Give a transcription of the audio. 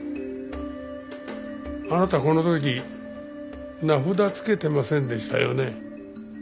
あなたこの時名札付けてませんでしたよね？